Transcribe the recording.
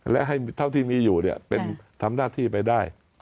และให้เท่าที่มีอยู่เป็นทำหน้าที่ไปได้